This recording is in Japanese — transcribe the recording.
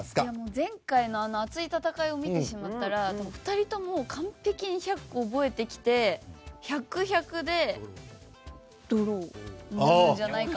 前回の熱い戦いを見てしまったら２人とも完璧に１００個覚えてきて１００：１００でドローなんじゃないかなと。